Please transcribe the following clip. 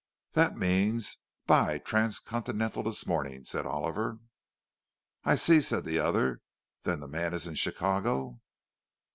"That means, 'Buy Transcontinental this morning,'" said Oliver. "I see," said the other. "Then the man is in Chicago?"